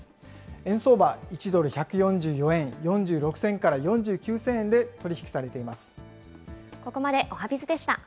円相場１ドル１４４円４６銭から４９銭で取り引きされています。